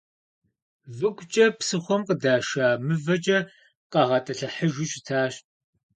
Выгукӏэ псыхъуэм къыдаша мывэкӏэ къагъэтӏылъыхьыжу щытащ.